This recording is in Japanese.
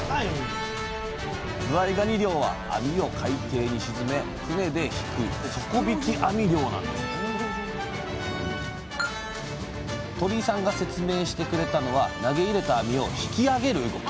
ずわいがに漁は網を海底に沈め船で引く鳥井さんが説明してくれたのは投げ入れた網を引きあげる動き。